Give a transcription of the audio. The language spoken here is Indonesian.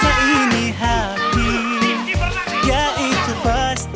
g monitoring tersebut